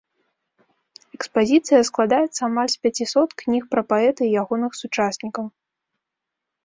Экспазіцыя складаецца амаль з пяцісот кніг пра паэта і ягоных сучаснікаў.